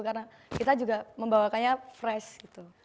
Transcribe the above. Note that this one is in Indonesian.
karena kita juga membawakannya fresh gitu